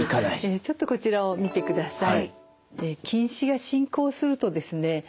ちょっとこちらを見てください。